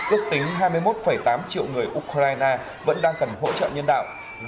ước tính hai mươi một tám triệu người ukraine vẫn đang cần hỗ trợ nhân đạo